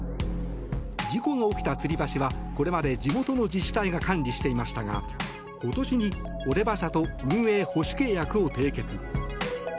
事故の起きたつり橋はこれまで地元の自治体が管理していましたが今年にオレバ社と運営・保守契約を締結。